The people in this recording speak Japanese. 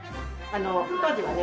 当時はね